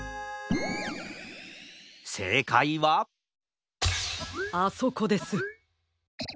せいかいはあそこです。